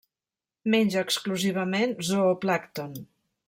Menja exclusivament zooplàncton.